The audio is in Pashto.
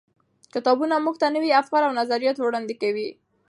کتابونه موږ ته نوي افکار او نظریات وړاندې کوي.